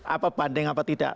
apa banding apa tidak